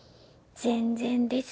全然です。